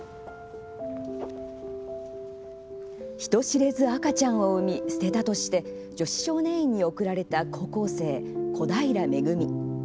人知れず赤ちゃんを産み捨てたとして女子少年院に送られた高校生小平恵。